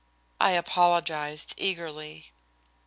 I apologized eagerly.